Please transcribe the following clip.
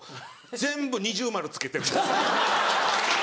全部二重丸つけて。